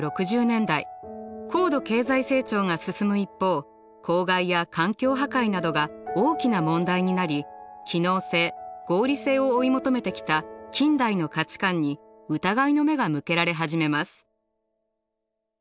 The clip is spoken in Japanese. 高度経済成長が進む一方公害や環境破壊などが大きな問題になり機能性・合理性を追い求めてきた近代の価値観に疑いの目が向けられ始めます。